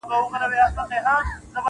• او تیاره ورته د کور وړه دنیا سوه -